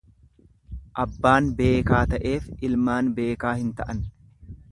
Abbaan beekaa ta'eef ilmaan beekaa hin ta'an.